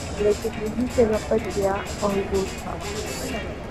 لیکن یہی کہ رفت، گیا اور بود تھا